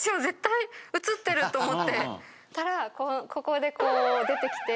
ここでこう出てきて。